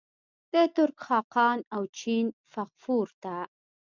د ترک خاقان او د چین فغفور ته.